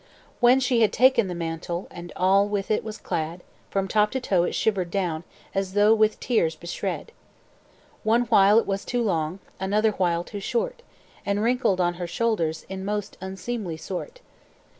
"When she had taken the mantle, And all with it was clad, From top to toe it shivered down, As though with shears beshred. "One while it was too long, Another while too short, And wrinkled on her shoulders, In most unseemly sort.